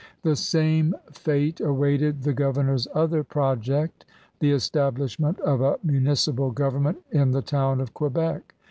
The same fate awaited the governor's other project, the establishment of a municipal government in the town of Quebec.